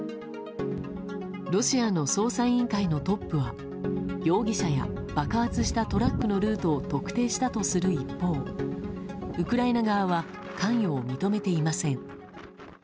ロシアの捜査委員会のトップは容疑者や爆発したトラックのルートを特定したとする一方ウクライナ側は関与を認めていません。